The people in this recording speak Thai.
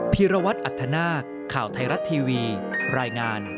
โปรดติดต่อไป